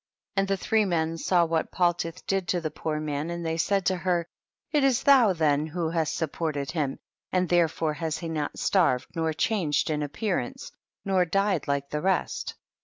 32. And the three men saw what Paltitli did to the poor man, and they said to her, it is thou then who hast supported him, and therefore has he not starved, nor changed in appear ance, nor died like the rest.